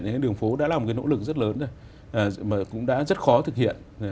nên đường phố đã là một cái nỗ lực rất lớn rồi mà cũng đã rất khó thực hiện